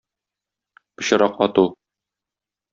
Пычрак ату.